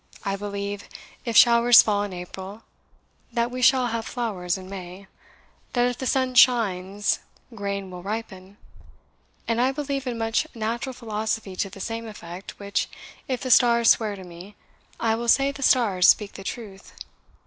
I believe, if showers fall in April, that we shall have flowers in May; that if the sun shines, grain will ripen; and I believe in much natural philosophy to the same effect, which, if the stars swear to me, I will say the stars speak the truth.